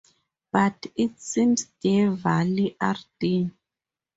But it seems Deer Valley Rd.